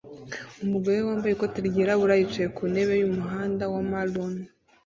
Umugore wambaye ikoti ryirabura yicaye ku ntebe yumuhanda wa maroon